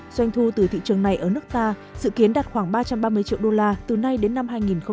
doanh thu từ thị trường này ở nước ta dự kiến đạt khoảng ba trăm ba mươi triệu đô la từ nay đến năm hai nghìn hai mươi